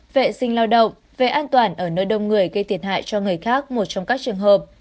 vệ sinh lao động về an toàn ở nơi đông người gây thiệt hại cho người khác một trong các trường hợp